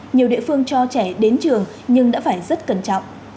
nhiều địa phương cho trẻ đến trường nhưng đã phải rất cẩn trọng